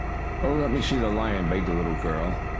"Oh, let me see the lion!" begged the little girl.